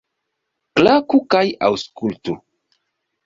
Klaku kaj aŭskultu!